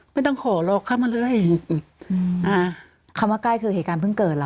ไม่ต้องขอหรอกเข้ามาเรื่อยอืมอ่าคำว่าใกล้คือเหตุการณ์เพิ่งเกิดล่ะ